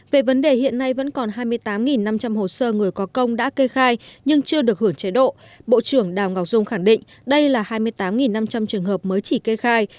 về vấn đề hiện nay vẫn còn hai mươi tám năm trăm linh hồ sơ người có công đã kê khai nhưng chưa được hưởng chế độ bộ trưởng đào ngọc dung khẳng định đây là hai mươi tám năm trăm linh trường hợp mới chỉ kê khai